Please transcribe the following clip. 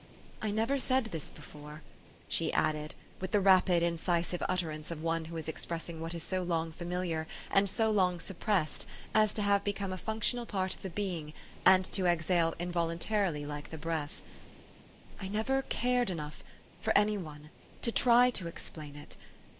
"I never said this before," she added, with the 194 THE STORY OF AVIS. rapid, incisive utterance of one who is expressing what is so long familiar, and so long suppressed, as to have become a functional part of the being, and to exhale involuntarily like the breath. " I never cared enough for any one to try to explain it.